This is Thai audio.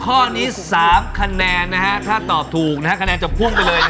ข้อนี้๓คะแนนนะฮะถ้าตอบถูกนะฮะคะแนนจะพุ่งไปเลย